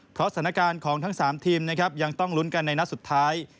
เพราะสถานการณ์ของทั้ง๓ทีมนะครับยังต้องลุ้นกันในนัดสุดท้าย